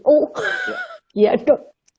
oh ya dok